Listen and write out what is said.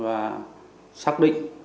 và xác định